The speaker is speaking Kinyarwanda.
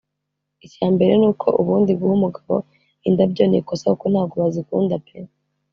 icy’ambere ni uko ubundi guha umugabo indabyo ni ikosa kuko ntago bazikunda pe